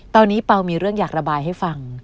ตอนนี้เปล่ามีเรื่องอยากระบายให้ฟัง